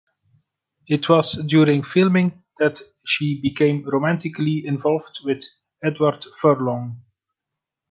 It was during filming that she became romantically involved with Edward Furlong.